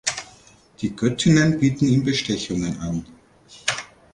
Die Göttinnen bieten ihm Bestechungen an.